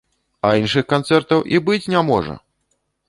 А іншых канцэртаў і быць не можа!